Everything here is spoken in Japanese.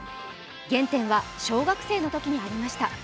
原点は小学生のときにありました。